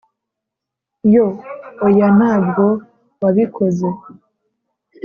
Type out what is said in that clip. yo oya ntabwo wabikoze.